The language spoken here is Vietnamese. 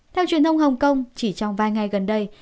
theo truyền thông hồng kông chỉ trong vài ngày gần đây